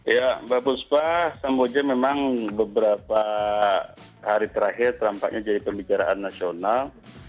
ya mbak puspa samboja memang beberapa hari terakhir tampaknya jadi pembicaraan nasional